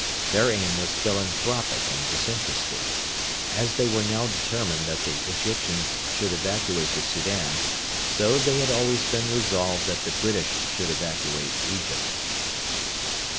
Their aim was philanthropic and disinterested. As they were now determined that the Egyptians should evacuate the Soudan, so they had always been resolved that the British should evacuate Egypt.